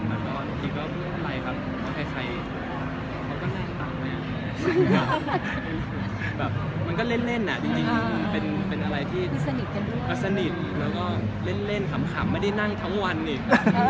อันนี้ก็อะไรครับใครมันก็เล่นเป็นอะไรที่สนิทเล่นขำไม่ได้นั่งทั้งวันอีก